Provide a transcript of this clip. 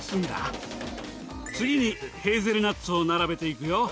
次にヘーゼルナッツを並べて行くよ。